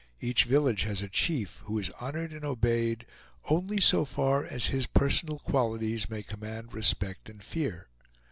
Each village has a chief, who is honored and obeyed only so far as his personal qualities may command respect and fear.